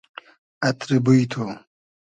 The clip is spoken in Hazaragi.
اتری بوی تو